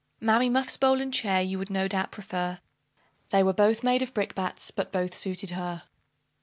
Mammy Muffs bowl and chair you would no doubt prefer They were both made of brick bats, but both suited her.